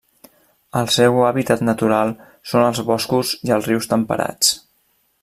El seu hàbitat natural són els boscos i els rius temperats.